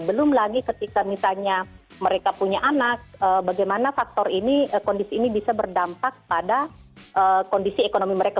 belum lagi ketika misalnya mereka punya anak bagaimana faktor ini kondisi ini bisa berdampak pada kondisi ekonomi mereka